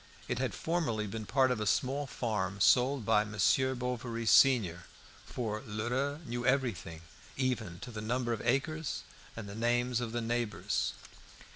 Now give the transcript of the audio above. It had formerly been part of a small farm sold by Monsieur Bovary senior; for Lheureux knew everything, even to the number of acres and the names of the neighbours.